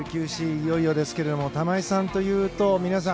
いよいよですが玉井さんというと皆さん